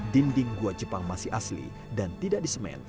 dinding gua jepang masih asli dan tidak disemen